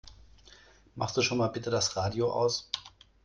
Machst du schon mal bitte das Radio aus?